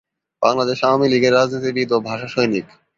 বাংলাদেশ আওয়ামী লীগের রাজনীতিবিদ ও ভাষাসৈনিক।